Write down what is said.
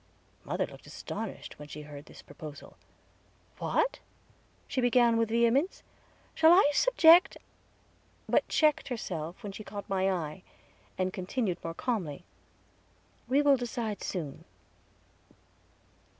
Mother looked astonished, when she heard this proposal. "What!" she began with vehemence, "shall I subject" but checked herself when she caught my eye, and continued more calmly: "We will decide soon."